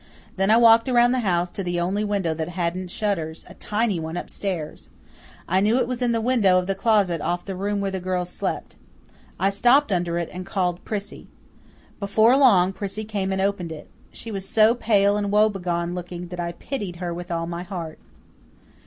Then I walked around the house to the only window that hadn't shutters a tiny one upstairs. I knew it was the window in the closet off the room where the girls slept. I stopped under it and called Prissy. Before long Prissy came and opened it. She was so pale and woe begone looking that I pitied her with all my heart.